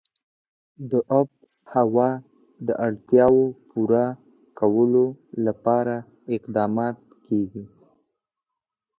د آب وهوا د اړتیاوو پوره کولو لپاره اقدامات کېږي.